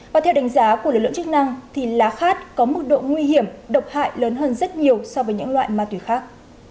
và theo đánh giá của lực lượng chức năng thì lá khát có mức độ nguy hiểm độc hại lớn hơn rất nhiều so với những loại ma túy khác